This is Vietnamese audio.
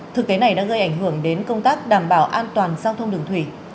thực tế này đã gây ảnh hưởng đến công tác đảm bảo an toàn giao thông đường thủy